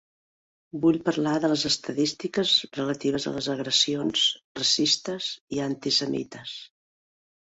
Vull parlar de les estadístiques relatives a les agressions racistes i antisemites.